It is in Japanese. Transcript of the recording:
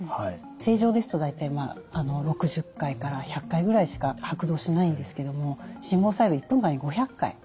正常ですと大体６０回から１００回ぐらいしか拍動しないんですけども心房細動１分間に５００回。